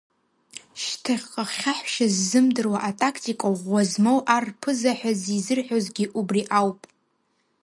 Шьҭахьҟа хьаҳәшьа ззымдыруа атактика ӷәӷәа змоу ар рԥыза ҳәа зизырҳәозгьы убри ауп.